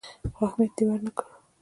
خو اهميت دې ورنه کړ.